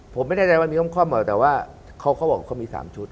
ผมไม่แน่ใจว่ามีห้องคล่อมหรอกแต่ว่าเขาบอกเขามี๓ชุด